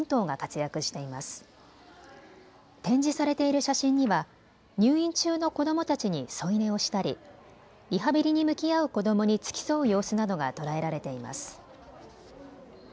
展示されている写真には入院中の子どもたちに添い寝をしたりリハビリに向き合う子どもに付き添う様子などが捉えられています。